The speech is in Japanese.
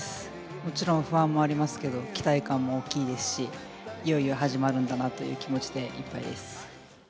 もちろん不安もありますけど、期待感も大きいですし、いよいよ始まるんだなという気持ちでいっぱいです。